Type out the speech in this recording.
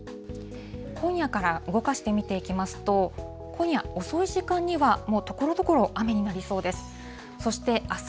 今夜から動かして見ていきますと、今夜遅い時間には、もうところどころ、雨になりそうです。